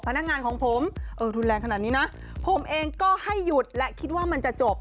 พนักงานของผมเออรุนแรงขนาดนี้นะผมเองก็ให้หยุดและคิดว่ามันจะจบ